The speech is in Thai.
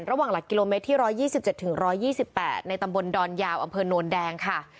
ระหว่างหลักกิโลเมตรที่ร้อยยี่สิบเจ็ดถึงร้อยยี่สิบแปดในตำบลดอนยาวอำเภอนนวลแดงค่ะ